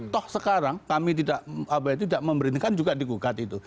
toh sekarang kami tidak memberhentikan juga di gugat itu